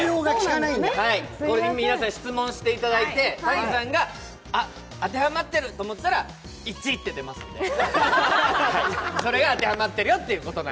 皆さん質問していただいてＴａｎｉさんが当てはまっていると思ったら１と出るのでそれが当てはまっているよという。